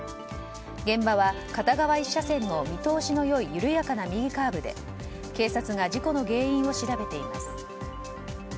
現場は片側１車線の見通しの良い緩やかな右カーブで警察が事故の原因を調べています。